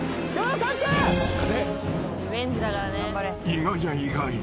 ［意外や意外。